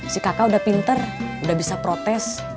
si kakak udah pinter udah bisa protes